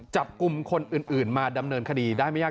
จับกลุ่มคนอื่นมาดำเนินคดีได้ไม่ยาก